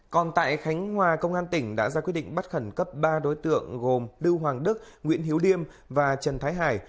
còn tại khánh hòa công an tỉnh đã ra quyết định bắt khẩn cấp ba đối tượng gồm lưu hoàng đức nguyễn hiếu điêm và trần thái hải